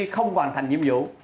cũng hoàn thành nhiệm vụ